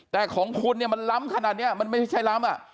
แต่ของคุณเนี่ยมันล้ำขนาดนี้มันไม่ใช่ล้ำ